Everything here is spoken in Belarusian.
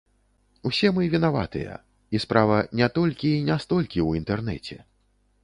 Усе мы вінаватыя, і справа не толькі і не столькі ў інтэрнэце.